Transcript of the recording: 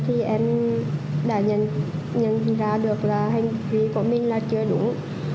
thì em đã nhận ra được là hành vi của mình là chưa đúng